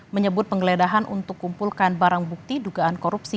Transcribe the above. menyebut penggeledahan untuk kumpulkan barang bukti dugaan korupsi